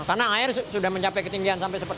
karena air sudah mencapai ketinggian sampai sepuluh